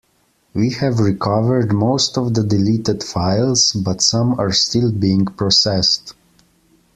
We have recovered most of the deleted files, but some are still being processed.